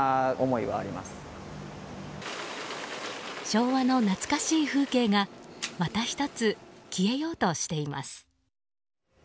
昭和の懐かしい風景がまた１つ消えようとしています。